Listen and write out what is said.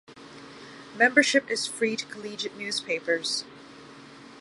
Membership is free to collegiate newspapers.